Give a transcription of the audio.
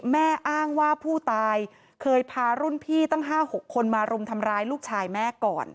อ้างว่าผู้ตายเคยพารุ่นพี่ตั้ง๕๖คนมารุมทำร้ายลูกชายแม่ก่อน